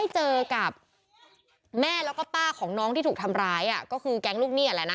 เจอกับแม่แล้วก็ป้าของน้องที่ถูกทำร้ายก็คือแก๊งลูกหนี้แหละนะ